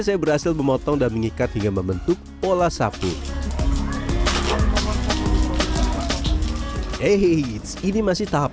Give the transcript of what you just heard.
saya berhasil memotong dan mengikat hingga membentuk pola sapu heheheits ini masih tahap